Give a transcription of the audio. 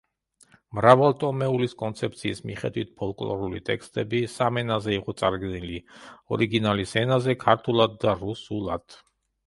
მრავალტომეულის კონცეფციის მიხედვით ფოლკლორული ტექსტები სამ ენაზე იყო წარდგენილი: ორიგინალის ენაზე, ქართულად და რუსულად.